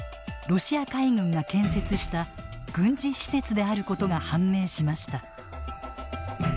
ロシア海軍が建設した軍事施設であることが判明しました。